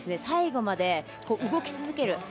最後まで動き続ける。